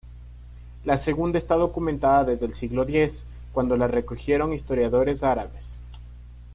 La segunda está documentada desde el siglo X, cuando la recogieron historiadores árabes.